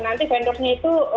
nanti vendornya itu